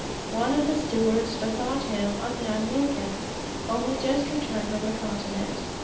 One of the stewards bethought him of young Wilkins, only just returned from the Continent.